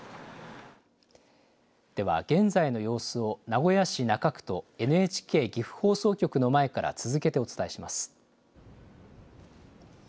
では現在の様子を名古屋市中区とＮＨＫ岐阜放送局の前から続けてお伝えします。